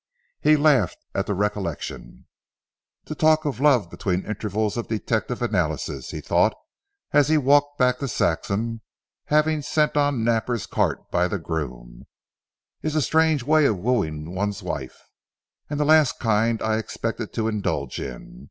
He laughed at the recollection. "To talk of love between intervals of detective analysis," he thought as he walked back to Saxham, having sent on Napper's cart by the groom, "is a strange way of wooing one's wife, and the last kind I expected to indulge in.